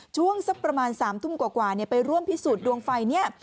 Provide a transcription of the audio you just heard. ช่วงสักประมาณ๓ทุ่มกว่าไปร่วมพิสูจน์ดวงไฟเนี่ย